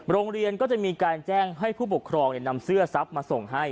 โรงเรียนก็จะมีการแจ้งให้ผู้ปกครองนำเสื้อทรัพย์มาส่งให้